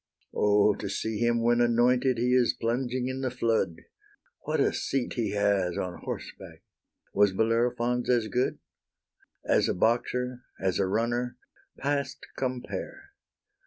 O, to see him when anointed he is plunging in the flood! What a seat he has on horseback! was Bellerophon's as good? As a boxer, as a runner, past compare!